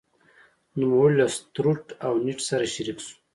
نوموړی له ستروټ او نیډ سره شریک شو.